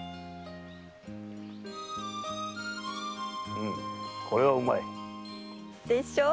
うんこれはうまい。でしょう？